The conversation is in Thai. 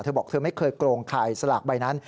บอกเธอไม่เคยโกงขายสลากใบนั้น